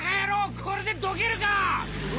これでどけるか！